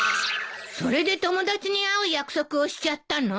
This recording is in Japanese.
それで友達に会う約束をしちゃったの？